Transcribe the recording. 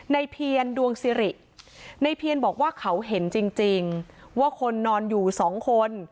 เพียรดวงสิริในเพียนบอกว่าเขาเห็นจริงว่าคนนอนอยู่สองคน